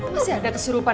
masih ada kesurupan